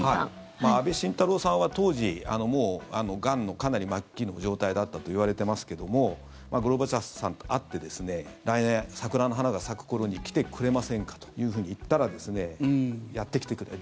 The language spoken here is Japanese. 安倍晋太郎さんは当時もうがんのかなり末期の状態だったといわれていますがゴルバチョフさんと会って来年、桜の花が咲く頃に来てくれませんかというふうに言ったら、やってきてくれた。